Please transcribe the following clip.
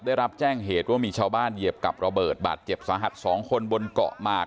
ได้รับแจ้งเหตุว่ามีชาวบ้านเหยียบกับระเบิดบาดเจ็บสาหัส๒คนบนเกาะหมาก